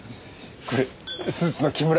これスーツの木村。